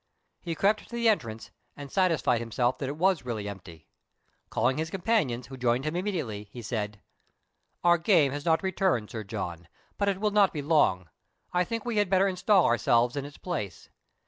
He crept to the entrance and satisfied himself that it was really empty. Calling his companions, who joined him immediately, he said, —" Our game has not returned, Sir John, but it will not be long : I think we had better install ourselves in its place.